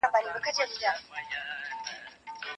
بریتانیايي څېړونکو ویلي د نړۍ لومړنۍ طبي تجربه ترسره شوې ده.